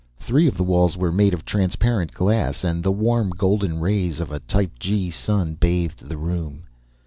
Three of the walls were made of transparent glass and the warm golden rays of a type G sun bathed the room.